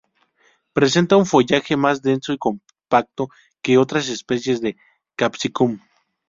Presenta un follaje más denso y compacto que otras especies de "Capsicum".